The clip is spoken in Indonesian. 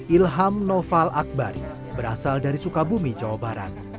ilham nofal akbar berasal dari sukabumi jawa barat